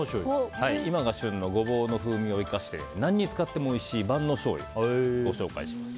今が旬のゴボウの風味を生かして何に使ってもおいしい万能しょうゆをご紹介します。